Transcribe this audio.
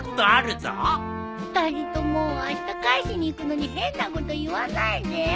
２人ともあした返しに行くのに変なこと言わないでよ